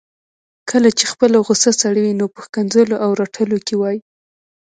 کله چي خپله غصه سړوي نو په ښکنځلو او رټلو کي وايي